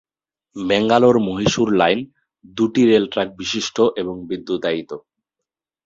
Bangalore-Mysore line দুটি rail truck বিশিষ্ট এবং বিদ্যুতায়িত।